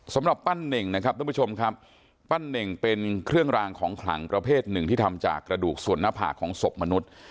สำหรับปั้นเน่งนะครับทุกผู้ชมครับปั้นเน่งเป็นเครื่องรางของขลังประเภทหนึ่งที่ทำจากกระดูกส่วนหน้าผากของศพมนุษย์